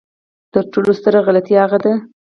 تر ټولو ستره غلطي هغه ده.